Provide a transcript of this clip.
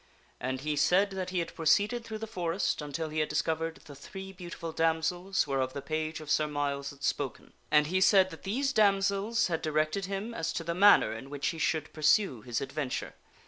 And he said that he had proceeded through the forest, until he had discovered the three beautiful damsels whereof the page of Sir Myles had spoken. And he said that these damsels had di Sir Griflet tell J ... r eth how he rected him as to the manner in which he should pursue his was hurt. adventure.